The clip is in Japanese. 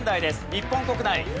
日本国内。